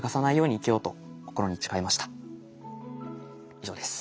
以上です。